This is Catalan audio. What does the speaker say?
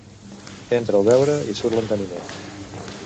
Entra el beure i surt l'enteniment.